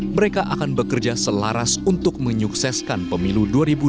mereka akan bekerja selaras untuk menyukseskan pemilu dua ribu dua puluh